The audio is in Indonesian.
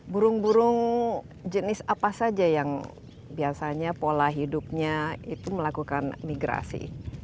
burung burung jenis apa saja yang biasanya pola hidupnya itu melakukan migrasi